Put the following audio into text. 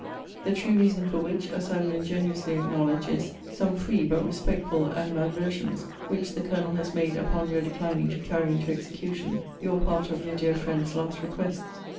* The true reason for which, as I will ingenuously acknowledge, is, some free, but respectful animadversions which the Colonel has made upon your declining to carry into execution your part of your dear friend's last requests.